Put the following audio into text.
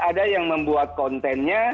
ada yang membuat kontennya